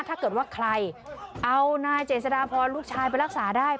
ถ้าเกิดว่าใครเอานายเจษฎาพรลูกชายไปรักษาได้